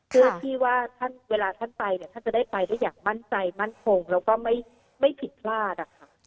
เพื่อที่ว่าเวลาท่านไปจะได้ไปอย่างมั่นใจมั่นคงและก็ไม่ผิดคราช